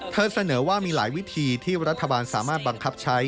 เสนอว่ามีหลายวิธีที่รัฐบาลสามารถบังคับใช้